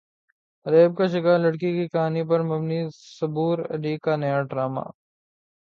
rape کا شکار لڑکی کی کہانی پر مبنی صبور علی کا نیا ڈراما